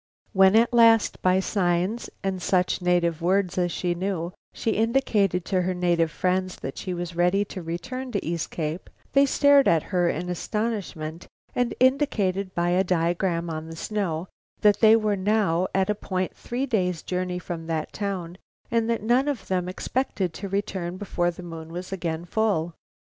When at last, by signs and such native words as she knew, she indicated to her native friends that she was ready to return to East Cape, they stared at her in astonishment and indicated by a diagram on the snow that they were now at a point three days' journey from that town and that none of them expected to return before the moon was again full.